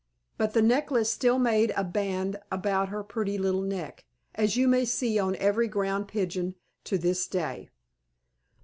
But the necklace still made a band about her pretty little neck, as you may see on every Ground Pigeon to this day.